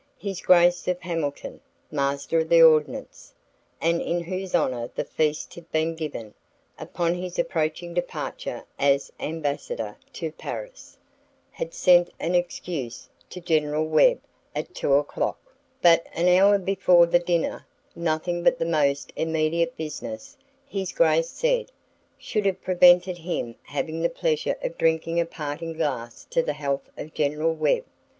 His Grace of Hamilton, Master of the Ordnance, and in whose honor the feast had been given, upon his approaching departure as Ambassador to Paris, had sent an excuse to General Webb at two o'clock, but an hour before the dinner: nothing but the most immediate business, his Grace said, should have prevented him having the pleasure of drinking a parting glass to the health of General Webb.